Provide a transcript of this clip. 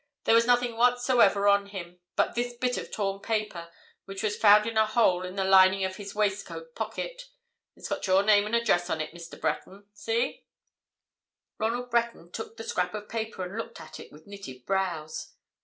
There was nothing whatever on him—but this bit of torn paper, which was found in a hole in the lining of his waistcoat pocket. It's got your name and address on it, Mr. Breton. See?" Ronald Breton took the scrap of paper and looked at it with knitted brows.